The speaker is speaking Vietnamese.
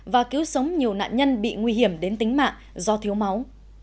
và cứu sống nhiều nạn nhân bị nguy hiểm đến tính mạng do thiếu máu